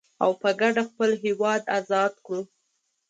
او په کډه خپل هيواد ازاد کړو.